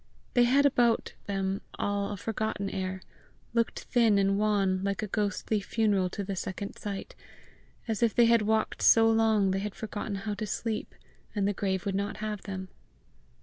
They had about them all a forgotten air looked thin and wan like a ghostly funeral to the second sight as if they had walked so long they had forgotten how to sleep, and the grave would not have them.